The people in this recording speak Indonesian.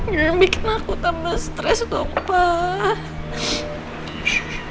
gak bikin aku tambah stres dong pak